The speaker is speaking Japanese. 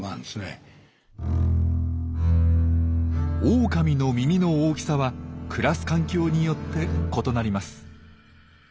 オオカミの耳の大きさは暮らす環境によって異なります。